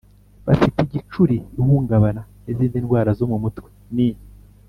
Bafite igicuri ihungabana n izindi ndwara zo mu mutwe ni